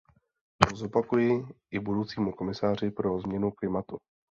To zopakuji i budoucímu komisaři pro změnu klimatu.